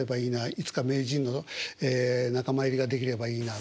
いつか名人の仲間入りができればいいな。